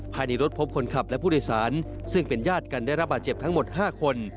ภายในรถพบคนขับและผู้โดยสารซึ่งเป็นญาติกันได้รับบาดเจ็บทั้งหมด๕คน